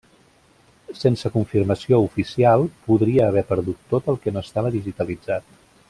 Sense confirmació oficial, podria haver perdut tot el que no estava digitalitzat.